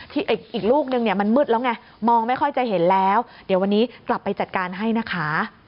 อีกลูกนึงเนี่ยมันมืดแล้วไงมองไม่ค่อยจะเห็นแล้วเดี๋ยววันนี้กลับไปจัดการให้นะคะ